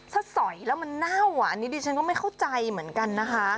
ถ้าสอยแล้วมันเน่าอ่ะอันนี้ดิฉันก็ไม่เข้าใจเหมือนกันนะคะ